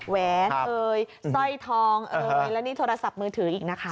แหวนสร้อยทองและนี่โทรศัพท์มือถืออีกนะคะ